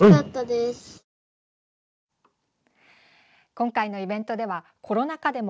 今回のイベントではコロナ禍でも